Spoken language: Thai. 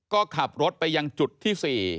ก็ขับรถไปยังจุดที่๔